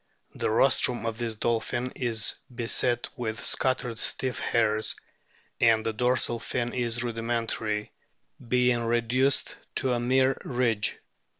The ros trum of this dolphin is beset with scattered stiff hairs, and the dorsal fin is rudimentary, being reduced to a mere ridge.